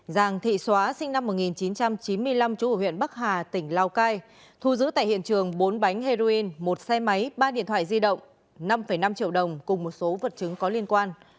giàng thị xóa sinh năm một nghìn chín trăm chín mươi năm chú ở huyện bắc hà tỉnh lào cai thu giữ tại hiện trường bốn bánh heroin một xe máy ba điện thoại di động năm năm triệu đồng cùng một số vật chứng có liên quan